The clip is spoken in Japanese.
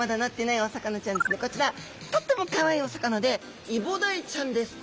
こちらとってもかわいいお魚でイボダイちゃんです！